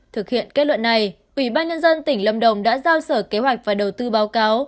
thực hiện kết luận này ủy ban nhân dân tỉnh lâm đồng đã giao sở kế hoạch và đầu tư báo cáo